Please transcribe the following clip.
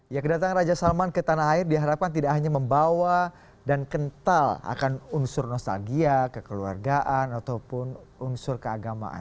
ya kedatangan raja salman ke tanah air diharapkan tidak hanya membawa dan kental akan unsur nostalgia kekeluargaan ataupun unsur keagamaan